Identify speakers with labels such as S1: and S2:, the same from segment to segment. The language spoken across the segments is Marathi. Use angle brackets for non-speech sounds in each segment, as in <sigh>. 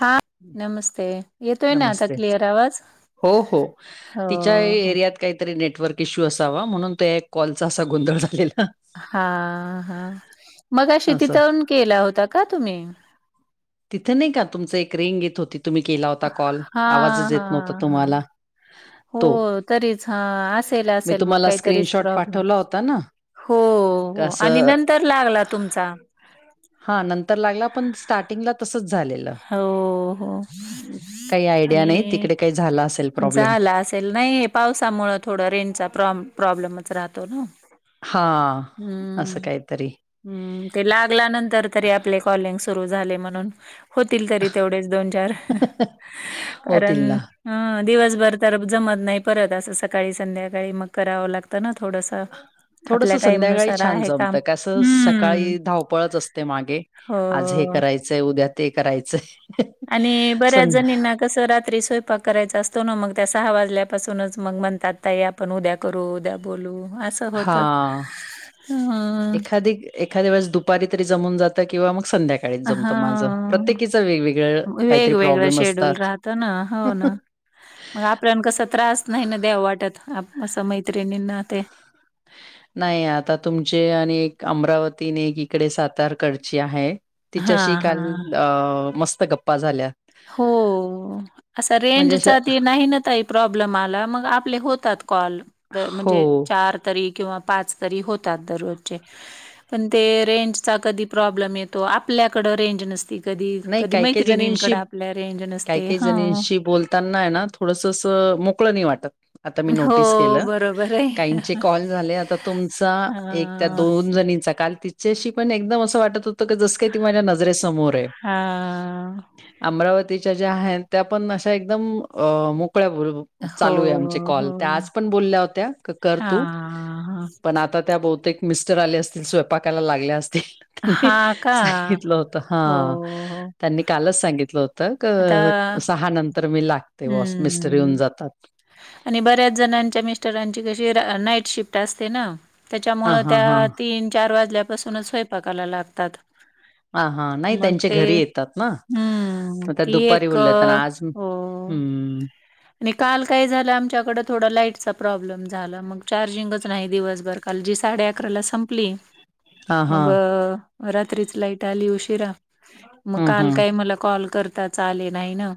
S1: हा. नमस्ते येतोय ना आता
S2: नमस्ते
S1: क्लिअर आवाज
S2: हो हो
S1: हो
S2: तिच्या
S1: हो
S2: एरियात काहीतरी नेटवर्क इश्यू असावा म्हणून त्या एक कॉलचा असा गोंधळ झालेला.
S1: हा हा मगाशी
S2: असं.
S1: तिथं येऊन केला होता का तुम्ही?
S2: तिथं नाही का तुमचं एक रिंग येत होती तुम्ही केला होता कॉल
S1: हा
S2: आवाजच येत
S1: हा
S2: नव्हता
S1: हा
S2: तुम्हाला.
S1: हो
S2: तो.
S1: तरीच हा असेल
S2: मी
S1: असेल मग
S2: तुम्हाला
S1: काहीतरीच
S2: स्क्रीनशॉट
S1: प्रॉब्लेम.
S2: पाठवला होता ना
S1: हो आणि
S2: कसं
S1: नंतर लागला तुमचा.
S2: हा नंतर लागला पण स्टार्टिंगला तसंच झालेलं
S1: हो हो
S2: काही आयडिया नाही तिकडे काही झालं असेल. प्रॉब्लेम.
S1: झाल असेल नाही हे पावसामुळं थोडं रेनचा प्रॉ प्रॉब्लेमच राहतो न.
S2: हां, असं
S1: हम्म.
S2: काहीतरी.
S1: हम्म ते लागल्यानंतर तरी आपले कॉलिंग सुरू झाले म्हणून होतील तरी तेवढेच दोन चार कारण
S2: होतील ना.
S1: ह दिवसभर तर जमत नाही परत असं सकाळी, संध्याकाळी मग करावं लागतं न थोडस.
S2: थोडस संध्याकाळी छान जमतं कसं
S1: हम्म.
S2: सकाळी धावपळच असते मागे. आज
S1: हो.
S2: हे करायचंय उद्या ते करायचंय.
S1: आणि बऱ्याच
S2: सं
S1: जणींना कसं रात्री स्वयंपाक करायचा असतो ना मग त्या सहा वाजल्यापासूनच मग त्या म्हणतात ताई पण उद्या करू उद्या बोलू असं होतं
S2: हां.
S1: हम्म.
S2: एखादी एखाद्या वेळेस दुपारी तरी जमून जातं किंवा मग संध्याका काळीच जमत माझं
S1: हां.
S2: प्रत्येकीच वेगवेगळ काहीतरी
S1: वेगवेगळं
S2: प्रॉब्लेम
S1: शेड्यूल
S2: असतात.
S1: राहतं ना, हो ना. मग आपल्या कस त्रास नाही न देऊ वाटत आ असं मैत्रिणींना ते.
S2: नाही आता तुमचे आणि एक अमरावती अन एक इकडे सातारकडची आहे. तिच्याशी
S1: हां,
S2: काल
S1: हां.
S2: अ मस्त गप्पा झाल्या.
S1: हो असं
S2: म्हणजे अशा
S1: रेंजचा ते नाही न ताई प्रॉब्लेम आला मग आपले होतात कॉल द म्हणजे
S2: हो.
S1: चार तरी. किंवा पाच तरी होतात दररोजचे. पण ते रेंजचा कधी प्रॉब्लेम येतो आपल्याकडं रेंज नसती कधी कधी मैत्रिणींकडे आपल्या रेंज नस
S2: काय काही जणीशी बोलताना आहे ना थोडसं असं मोकळ नाही वाटत. आता मी
S1: हो,
S2: नोटीस केलं
S1: बरोबर आहे.
S2: काहींचे कॉल झाले आता तुमचा एक त्या
S1: हां,
S2: दोन जणी चा काल तिच्याशी पण एकदम असं वाटत होतं की जस की ती माझ्या नजरेसमोर आहे.
S1: हां.
S2: अमरावतीच्या ज्या आहेत त्या पण अशा एकदम अ मोकळ्या बोल
S1: हो,
S2: चालू आहे आमचे कॉल त्या
S1: हो.
S2: आज पण बोलल्या होत्या क कर तू
S1: हां, हां.
S2: पण आता त्या बहुतेक मिस्टर आले असतील स्वयपाकाला लागल्या असतील.
S1: हां का?
S2: सांगितलं होत
S1: हो,
S2: हा.
S1: हो.
S2: त्यांनी कालच सांगितलं होतं
S1: आता
S2: क सहा नंतर मी लागते वॉस मिस्टर येऊन
S1: हं.
S2: जातात.
S1: आणि बऱ्याच जणांच्या मिस्टरांची कशी नाईट शिफ्ट असते ना त्याच्यामुळ
S2: हां, हां, हां.
S1: त्या तीन, चार वाजल्यापासूनच स्वयंपाकायला लागतात.
S2: हा हा नाही
S1: मग
S2: त्यांच्या
S1: ते
S2: घरी येतात ना
S1: हं.
S2: मग त्या
S1: ती
S2: दुपारी
S1: एक
S2: बोल्या होत्या
S1: अ,
S2: ना आज
S1: हो.
S2: हम्म
S1: आणि काल काय झालं, आमच्याकडं थोडा लाईटचा प्रॉब्लेम झाला मग चार्जिंगच नाही दिवसभर. काल जी साडे अकरा ला संपली
S2: हां,
S1: मग
S2: हां.
S1: रात्रीच लाईट आली उशिरा. मग
S2: हं,
S1: काल
S2: हं.
S1: काही मला कॉल करता आलेच नाही ना.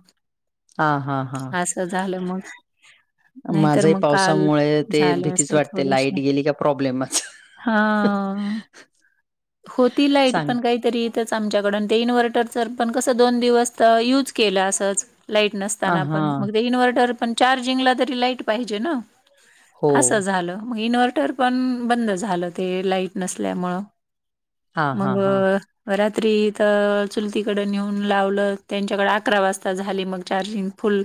S2: हा हा हा
S1: असं झालं मग नाहीतर
S2: माझाही
S1: मग काल
S2: पावसामुळे ते
S1: झाले
S2: भीतीच
S1: असते
S2: वाटते,
S1: थोडेसे
S2: लाईट गेली का प्रॉब्लेमच.
S1: हा होती लाईट
S2: सांग
S1: पण काही तरी इथच, आमच्याकडून ते इन्व्हर्टरर पण कसं दोन दिवस युज केलं असंच लाईट
S2: अ
S1: नसताना
S2: हा
S1: पण मग ते इन्व्हर्टर पण चार्जिंगला तरी लाईट पाहिजे ना,
S2: हो
S1: असं झालं मग इन्व्हर्टर पण बंद झालं ते लाईट नसल्यामुळं
S2: हा हा
S1: मग
S2: हा
S1: रात्री तर चुलतीकडे नेऊन लावलं, त्यांच्याकडे अकरा वाजता झाली मग चार्जिंग. फुल.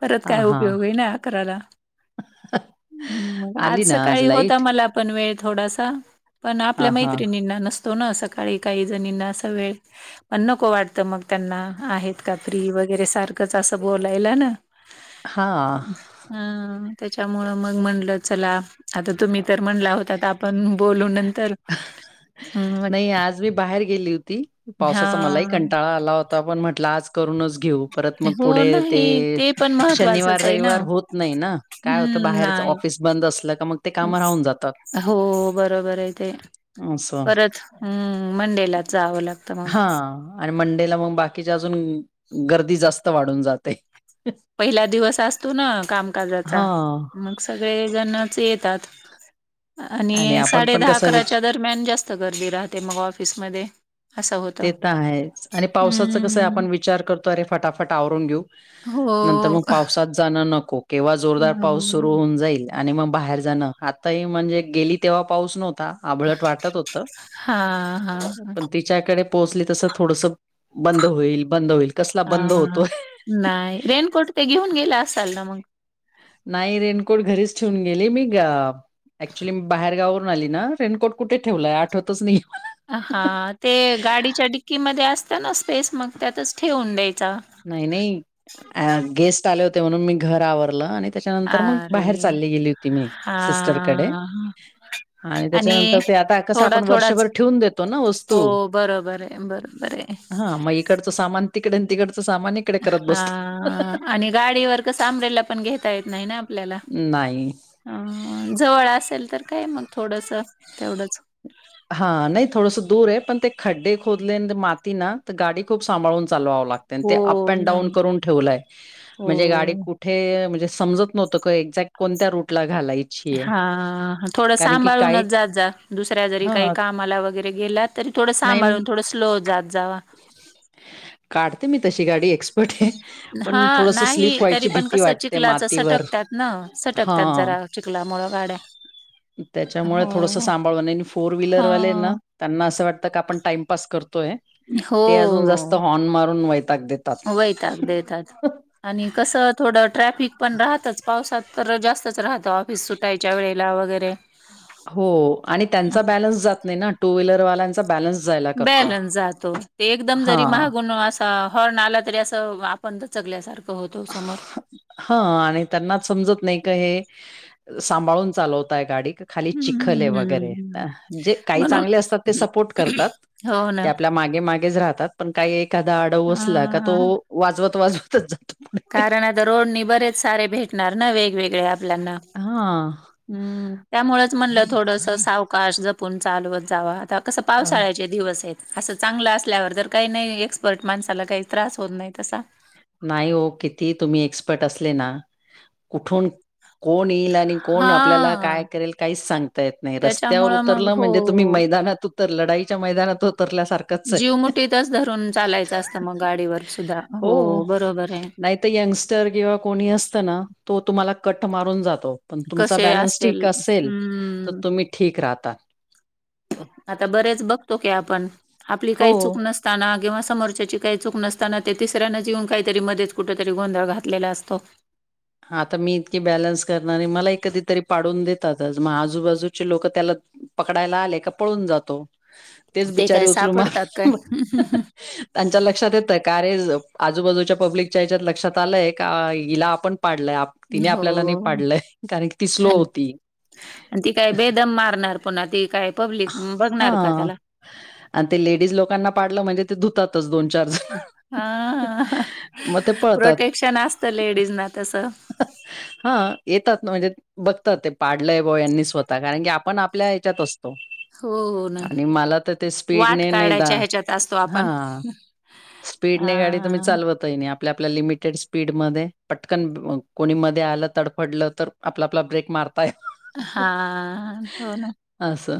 S1: परत
S2: हा
S1: काय
S2: हा
S1: उपयोग आहे ना, आकराला मग आज
S2: आली ना
S1: सकाळी होता
S2: लाईट
S1: मला प पण वेळ थोडासा पण, आपल्या
S2: हा हा
S1: मैत्रिणींना नसतो ना सकाळी काही जणींना असा वेळ, पण नको वाटतं मग. त्यांना आहेत का फ्री वगैरे, सारखंच असं बोलायला ना.
S2: हा
S1: ह त्यांच्यामुळे मग म्हणलं, चला आता तुम्ही तर म्हणला होता पण बोलू नंतर मग
S2: नाही आज मी बाहेर गेली होती, पावसाचा मलाही
S1: हां.
S2: कंटाळा आला हो आता आपण म्हटलं आज करूनच घेऊ. परत मग
S1: हो
S2: पुढे ते
S1: नाही पण
S2: शनिवार
S1: महत्त्वाचंच आहे ना
S2: -रविवार होत नाही ना, काय होत
S1: हम्म
S2: बाहेरच
S1: नाही.
S2: ऑफिस बंद असलं का मग ते काम राहून जातात.
S1: हो बरोबर आहे ते.
S2: असं
S1: परत हम्म मंडेलाच जावं लागतं मग
S2: हा आणि मंडेला मग बाकीच्या अजून गर्दी जास्त वाढून जाते.
S1: पहिला दिवस असतो ना कामकाजाचा,
S2: हां
S1: मग सगळे जणच येतात. आणि
S2: आपण
S1: साडे
S2: पण
S1: दहा
S2: कसा विच
S1: -अकराच्या दरम्यान जास्त गर्दी राहते मग ऑफिसमध्ये. असं होतं.
S2: ते तर आहे आणि पावसाचं कसं
S1: हम्म
S2: आपण विचार करतो अरे फटाफट आवरून घेऊ.
S1: हो
S2: नंतर मग पावसात जाणं नको, केव्हा जोरदार पाऊस सुरू होऊन जाईल आणि मग बाहेर जाणं आताही म्हणजे गेली तेव्हा पाऊस नव्हता. आभळट वाटत होत,
S1: हा हा हा.
S2: पण तिच्याकडे पोचले तस थोडस बंद होईल, बंद होईल कसला
S1: हा
S2: बंद
S1: हा
S2: होतोय
S1: नाही रेनकोट तेन घेऊन गेला असाल ना मग?
S2: नाही रेनकोट घरीच ठेवून गेली मी ग ऍक्च्युली मी बाहेर गावावरून आली ना, रेनकोट कुठे ठेवलाय आठवतच नाही. मला
S1: हा ते गाडीच्या डिक्कीमध्ये असत ना स्पेस, मग त्यातच ठेवून द्यायचा.
S2: नाही नाही गेस्ट आले होते, म्हणून मी घर आवरलं आणि त्याच्यानंतर मग
S1: अरे!
S2: बाहेर चालली गेली होती मी सिस्टरकडे
S1: हां
S2: आणि त्याच्यानंतर ते आता कसं आपण
S1: थोडा-थोडाच
S2: वर्षभर ठेवून देतो ना वस्तू
S1: हो, बरोबर आहे, बरोबर आहे.
S2: हा मग इकडचं सामान तिकडे न तिकडचं सामान इक
S1: हा आणि गाडीवर कसा आमरेला पण घेता येत नाही ना आपल्याला
S2: नाही
S1: अ जवळ असेल तर काय मग थोडस, तेवढंच
S2: हा नाही थोडंस दूर आहे पण ते खड्डे खोदले माती ना तर गाडी खूप सांभाळून चालवावं लाग अन ते
S1: हो,
S2: अप अँड डाऊन
S1: नाही.
S2: करून ठेवलाय, म्हणजे गाडी
S1: हो.
S2: कुठ कुठे म्हणजे समजत नव्हतं का एक्झॅक्ट कोणत्या रूट ला घालाय
S1: हा थोड सांभाळूनच
S2: काही
S1: जात जा. दुसऱ्या जरी काही
S2: हां,
S1: कामाला वगैरे गेला तरी थोडं
S2: नाही
S1: सांभाळून थोडं स्लो जात जावा.
S2: काढते मी तशी गाडी एक्स पर्ट हे,
S1: हा
S2: पण थोडस
S1: नाही
S2: स्लीप
S1: तरी
S2: व्हायची
S1: पण
S2: भीती
S1: कसं
S2: वाटते
S1: चिखलाच
S2: मातीवर, हा.
S1: चिखलामुळे गाड्या
S2: त्याच्यामुळे थोडंसं
S1: हो
S2: सांभाळून आणि फोर
S1: हा
S2: व्हीलरवाले हे ना त्यांना असं वाटत का आपण टाइमपास करतोय.
S1: हो
S2: ते अजून जास्त हॉर्न मारून वैताग देतात.
S1: ताग देतात, आणि कसं थोडं ट्रॅफिक पण राहतच पावसात. तर जास्तच राहत <inaudible>
S2: हो आणि त्यांचा बॅलन्स जात नाही ना. टू व्हीलरवाल्यांचा बॅलन्स जायला करतो.
S1: बॅलन्स जातो, ते एकदम जरी
S2: हां.
S1: मागून असा हॉर्न आला तरी असं आप पण दचगल्यासारखं होतो समोर
S2: हा आणि त्यांना समजत नाही का हे, सांभाळून चालवताय गाडी का खाली चिखल आहे वगैरे,
S1: हम्म
S2: जे काही
S1: म्हणून
S2: चांगले असतात ते सपोर्ट करतात.
S1: हो ना
S2: ते आपल्या मागे मागेच राहतात पण काही एखादा आडाऊ असला का तो
S1: अ
S2: वाजवत वाजवतच जातो. पुढे.
S1: कारण आता रोडनी बरेच सारे भेटणार ना वेगवेगळे आपल्यांना.
S2: हां.
S1: हम्म, त्यामुळेच म्हणलं थोडस साव काश जपून चालवत जावा आता कसं
S2: अ,
S1: पावसाळ्याचे दिवस आहेत. असं चांगल असल्यावर तर काही नाही एक्सपर्ट माणसाला काही त्रास होत नाही तसा.
S2: नाही ओ किती तुम्ही एक्सपर्ट असले ना, कुठून कोण येईल आणि कोण आपल्याला
S1: हा
S2: काय करेल काहीच सांगता येत नाही रस्त्यावर उत
S1: त्याच्यामुळं
S2: उतरल
S1: मग
S2: म्हणजे तुम्ही
S1: हो.
S2: मैदानात उतरल लढाईच्या मैदानात उतरल्यासारख
S1: जीव मुठीतच धरून चालायच असत मंग गाडीवर सुद्धा, हो बरोबर आहे.
S2: नाही तर यंगस्टर किंवा कोणी असत ना तो तुम्हाला कट मारून जातो. पण तुमचा
S1: कसे
S2: बॅलन्स ठीक
S1: असतील
S2: असेल, तर
S1: हम्म.
S2: तुम्ही ठीक राहता.
S1: आता बरेच बघतो की आपण आपली काही चूक
S2: हो
S1: नस असताना किंवा समोरच्याची काही चूक नसताना ते तिसऱ्यांनाच येऊन काहीतरी मध्येच कुठ तरी गोंधळ घातलेला असतो.
S2: आता मी इतकी बॅलन्स करणारी, मला ही कधी तरी पाडून देत जातात, मग आजूबाजूचे लोक त्याला पकडायला आले का पळून जातो. तेच
S1: ते काय
S2: बिचारे उचलून
S1: सापडतात काय?
S2: मार त्यांच्या लक्षात येतय का अरे आजूबाजूच्या पब्लिकच्या ह्याच्यात लक्षात आलंय का हिला आपण पाडलय, आप तिने आपल्याला नाही
S1: हो.
S2: पाडलंय कारण की ती स्लो
S1: अन
S2: होती.
S1: आणि ती काय बेदम मारणार पुन्हा ती काय. पब्लिक
S2: हा,
S1: बघणार का त्याला?
S2: आणि ते लेडीज लोकांना पाडल म्हणजे ते धुतातच दोन-चार जण,
S1: हां.
S2: मग ते पळतात.
S1: त्या लेडीजना तस
S2: हा येतात ना म्हणजे बघतात ते पाडलंय बो यांनी स्वतः कारण की आपण आपल्या ह्याच्यात असतो
S1: हो ना.
S2: आणि मला तर ते
S1: वाट
S2: स्पीडने नाही द
S1: काढायच्या ह्याच्यात असतो
S2: हा
S1: आपण.
S2: स्पीडने गाडी तुम्ही
S1: हां.
S2: चालवत आप आपल्या लिमिटेड स्पीडमध्ये पटकन कोणी मध्ये आलं तडफडलं तर आपला आपला ब्रेक मारताय
S1: हा.. न. हो, ना.
S2: असं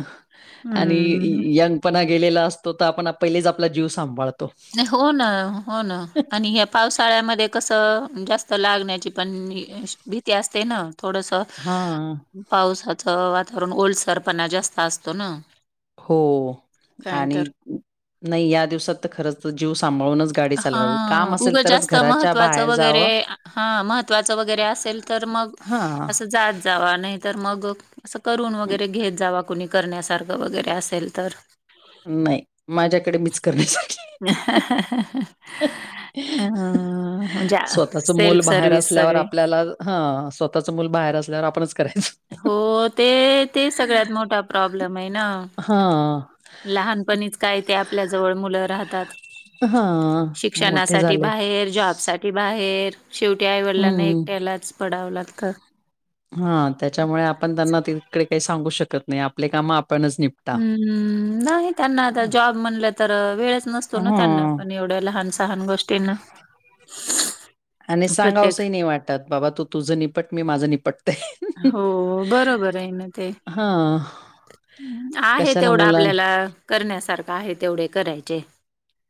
S2: आणि
S1: हं.
S2: य.. यंग. पणा गेलेला असतो, तर आपण. पहिलेच आपला जीव सांभाळतो.
S1: हो, न. हो. न. आणि ह्या पावसाळ्यामध्ये कसं. जास्त लागण्याची पण, भीती असते ना. थोडसं.
S2: हा.
S1: पावसाचं वातावरण ओलसरपणा जास्त असतो ना
S2: हो
S1: काय
S2: आणि
S1: तर.
S2: नाही या दिवसात तर खरंच जीव सांभाळूनच गाडी
S1: हा
S2: चालवावी. काम असेल
S1: उगं
S2: तरच
S1: जास्त
S2: घराच्या
S1: महत्त्वाचं
S2: बाहेर
S1: वगैरे
S2: जावं.
S1: हा महत्त्वाचं वगैरे असेल तर मग
S2: हां.
S1: असं, जा जावा. नाहीतर मग, असं करून
S2: अं,
S1: वगैरे घेत जावा. कुणी करण्यासारखं, वगैरे असेल तर.
S2: नाही. माझ्याकडे, मीच करण्यासारखी.
S1: हॅ.. हॅ.. हॅ.. हॅ.. हॅ. म्हणजे
S2: स्वतःच मुल,
S1: सेल्फ
S2: बाहेर
S1: सर्व्हिस
S2: असल्यावर.
S1: सगळे.
S2: आपल्याला ह.. स्व ‌ स्तःच मूल बाहेर असल्यावर, आपणच करायचं.
S1: हो ते ते सगळ्यात मोठा प्रॉब्लेम आहे ना.
S2: हा.
S1: लहानपणीच काय ते, आपल्या जवळ मुलं राहत
S2: ह.
S1: शिक्षणासाठी, बाहेर जॉब साठी बाहेर. शेवटी, आईवडलांना
S2: हं.
S1: एकट्यालाच. पडावं, लागतं.
S2: हा. त्याच्यामुळे आपण त्यांना, तिकडे काही सांगू शकत नाही. आपले काम, आपणच निप
S1: हम्म्, हम्म्. नाही. त्यांना आता, जॉब म्हणलं तर. वेळच नसतो ना त्यांना.
S2: हं.
S1: पण एवढ्या लहान सहान गोष् तिनं.
S2: आणि सांगावसंही नाही वाटत. बाबा तू तुझं निपट. मी माझं निपट
S1: हो. बरोबरय न ते.
S2: हां.
S1: आहे
S2: कशाला
S1: तेवढ,
S2: मुलां
S1: आपल्याला. करण्यासारखं आहे, तेवढे करायचे.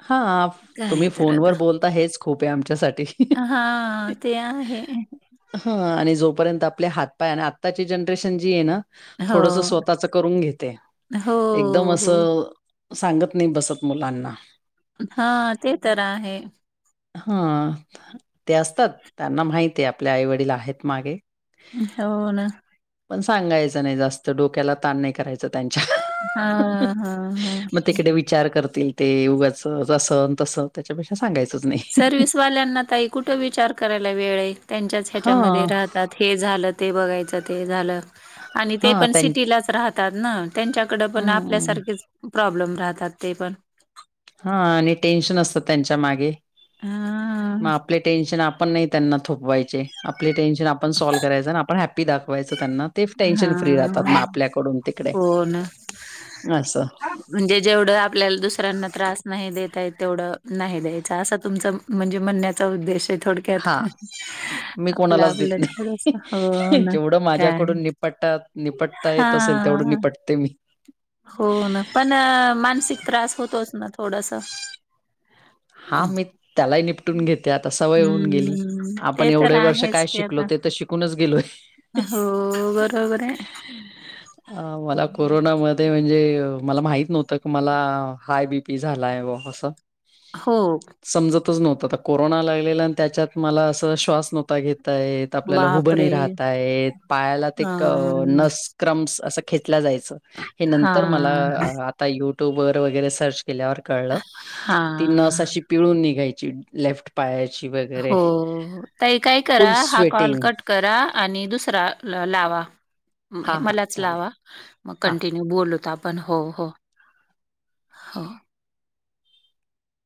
S2: हा.
S1: काय
S2: तुम्ही,
S1: तर आता
S2: फोनवर बोलता. हेच, खूपय आमच्यासाठी.
S1: हा. ते, आहे.
S2: ह. आणि जोपर्यंत आपले हातपाय अण, आत्ताची जनरेशन जी ये न. थोडस,
S1: हो.
S2: स्वतःच करून घेते.
S1: हो,
S2: एकदम
S1: हो.
S2: असं सांगत नाइ, बसत मुलांना.
S1: हा. ते तर, आहे.
S2: हा. ते असतात. त्यांना माहितय आपलें आई-वडील आहेत मागे.
S1: हौ, ना.
S2: पण, सांगायचं, नाही जास्त. डोक्याला, ताण नाही करायचं. त्यांच्या.
S1: हां, हां, हां.
S2: मग तिकडे वि चार करतील ते. उगाचच, असं-तसं. त्याच्यापेक्षा, सांगायचंच नाही.
S1: सर्विसवाल्यांना ताई, कुठ विचार करायला, वेळ आहे. त्यांच्याच ह्याच्यामध्ये,
S2: हां,
S1: राहतात. हे झाल. ते बघायच, ते झाल. आणि ते
S2: हां.
S1: पण
S2: त्यां
S1: सिटीलाच राहतात ना. त्यांच्या कड पण,
S2: हं.
S1: आपल्यासारखेच, प्रॉब्लेम राहतात ते पण
S2: हां आणि टेन्शन असत, त्यांच्या मागे, म
S1: हां,
S2: आपले टेन्शन आप पण नाही त्यांना, थोपवायचे. आपले टेन्शन, आपण साॅल करायचे. अण आपण हॅप हॅप्पी, दाखवायच त्यांना. तेच टेन्शन फ्री, राहातात मग
S1: हां.
S2: आपल्याकडून, तिकडे.
S1: हो ना.
S2: आसं.
S1: म्हणजे जेवढ, आपल्याला दुसऱ्यांना त्रास नाही देता येत तेवढ. नाही द्यायचा. आसा तुमच म्हणजे म्हणण्याचा उद्देश आहे थोड क्यात,
S2: हां. मी कोणालाच देत
S1: आपल-आपल
S2: नाही.
S1: थोडस हो ना. काय?
S2: पटात. निपटता येत असेल,
S1: हा
S2: तेवढ निपटते मी.
S1: हो ना पण मानसिक त्रास होतोच ना थोडसा.
S2: हा मी त्यालाही निपटून घेते, आता सवय होऊन गेली,
S1: हम्म ते
S2: आपण
S1: तर
S2: एवढे वर्ष
S1: आहेच
S2: काय
S1: की
S2: शिकलो
S1: आता
S2: ते तर शिक कुणच गेलोय.
S1: हो बरोबर आहे.
S2: मला कोरोनामध्ये म्हणजे मला माहित नव्हत की मला हाय बी पी झालाय व अस.
S1: हो
S2: समजतच नव्हत आता कोरोना लागलेला आणि त्याच्यात मला अस श्वास नव्हता घेता त येत. आपल्याला ऊभ नाही
S1: बापरे
S2: राहाता येत. पायाला ते
S1: अ
S2: नस, क्रम्स अस खेचला जायच. हे
S1: हा
S2: नंतर मला आ आत ताई, युट्यूबवर वगैरे, सर्च केल्यावर कळल.
S1: हा
S2: ती नस तशी, पिळून निघायची. लेफ्ट पायाची वगैरे.
S1: हो ताई काय करा
S2: फुल
S1: हा कॉल
S2: स्वेटिंग.
S1: कट करा आणि दुसरा लावा
S2: हां, हां.
S1: मलाच
S2: चालेल.
S1: लावा मग
S2: हां.
S1: कंटिन्यू. बोलुत आपण हो हो हो.